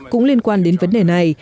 cũng liên quan đến vấn đề này